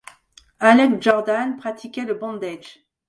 Alex Jordan pratiquait le bondage.